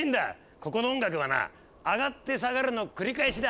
ここの音楽はな上がって下がるの繰り返しだ！